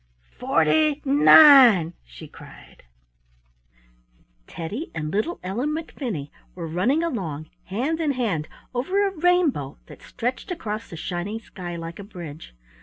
"FORTY NINE!" she cried. Teddy and little Ellen McFinney were running along, hand in hand, over a rainbow that stretched across the shining sky like a bridge.